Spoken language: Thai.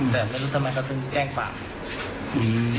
แต่ไม่รู้ทำไมเขาก็จะแกล้งปาก